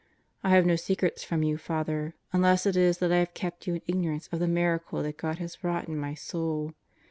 I have no secrets from you, Fr., unless it is that I have kept you in ignorance of the miracle that God has wrought in my soul.